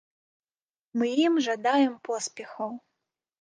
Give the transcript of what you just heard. Мы ім жадаем поспехаў.